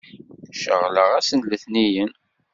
Ceɣleɣ ass n letniyen.